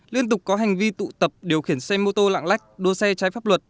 liên tục có hành vi tụ tập điều khiển xe mô tô lạng lách đua xe trái pháp luật